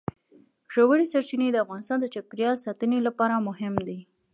ژورې سرچینې د افغانستان د چاپیریال ساتنې لپاره مهم دي.